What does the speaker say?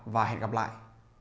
và hẹn gặp lại